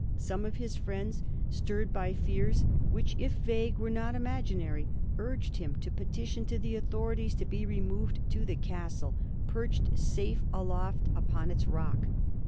Some of his friends, stirred by fears which if vague were not imaginary, urged him to petition to the authorities to be removed to the Castle, perched safe aloft upon its rock.